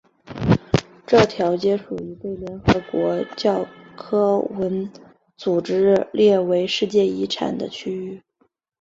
这条街属于被联合国教科文组织列为世界遗产的区域。